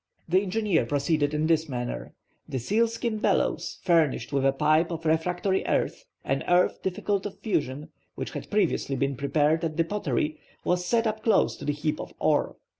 The engineer proceeded in this manner. The sealskin bellows, furnished with a pipe of refractory earth (an earth difficult of fusion), which had previously been prepared at the pottery, was set up close to the heap of ore.